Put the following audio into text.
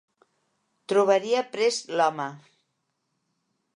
Trobaria prest l'home.